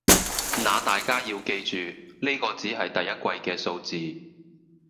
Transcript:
那大家要記住，呢個只係第一季嘅數字